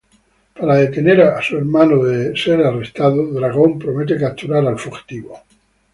Para detener a su hermano de ser arrestado, Dragon promete capturar al fugitivo, Kam.